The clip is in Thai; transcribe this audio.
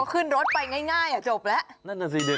ก็ขึ้นรถไปง่ายจบแล้ว